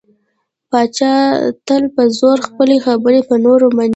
پاچا تل په زور خپلې خبرې په نورو مني .